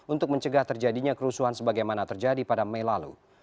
untuk mencegah terjadinya kerusuhan sebagaimana terjadi pada mei lalu